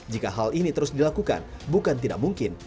jika hal ini terus dilakukan bukan tidak mungkin